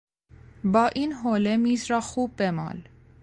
با این حوله میز را خوب بمال.